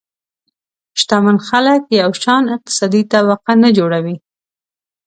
شتمن خلک یو شان اقتصادي طبقه نه جوړوي.